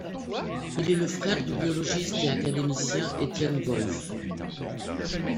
Il est le frère du biologiste et académicien Étienne Wolff.